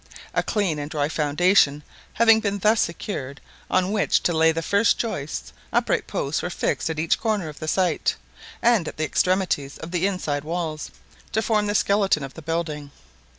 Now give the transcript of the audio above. A clean and dry foundation having been thus secured on which to lay the first joists, upright posts were fixed at each corner of the site, and at the extremities of the inside walls, to form the skeleton of the building.